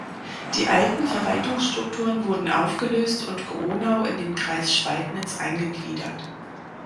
Die alten Verwaltungsstrukturen wurden aufgelöst und Grunau in den Kreis Schweidnitz eingegliedert.